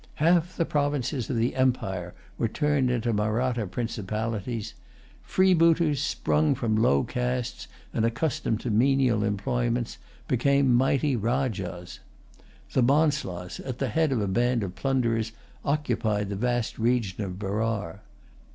Half the provinces of the empire were turned into Mahratta principalities. Freebooters,[Pg 165] sprung from low castes, and accustomed to menial employments, became mighty Rajahs. The Bonslas, at the head of a band of plunderers, occupied the vast region of Berar.